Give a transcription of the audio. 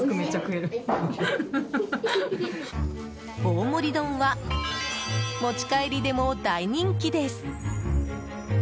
大盛り丼は持ち帰りでも大人気です。